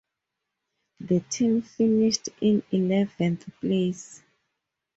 The team finished in eleventh place.